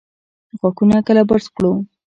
غاښونه کله برس کړو؟